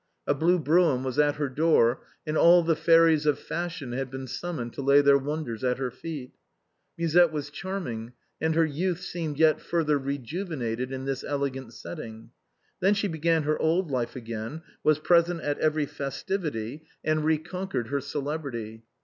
A blue brougham was at her door, and all the fairies of fashion had been summoned to lay their wonders at her feet. Musette was charming, and her youth seemed yet further rejuvenated in this elegant setting. Then she began her old life again, was present at every festivity, and reconquered her celebrity.